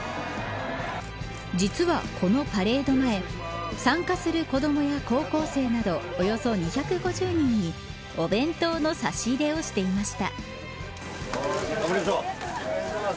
実は、このパレード前参加する子どもや高校生などおよそ２５０人にお弁当の差し入れをしていました。